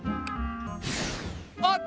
あっ！